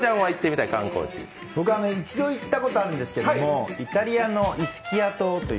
僕は一度行ったことあるんですけど、イタリアのイスキア島。